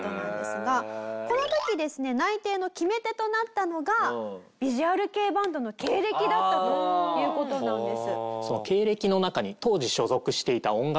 この時ですね内定の決め手となったのがヴィジュアル系バンドの経歴だったという事なんです。